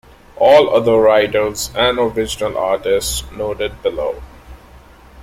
All other writers and original artists noted below.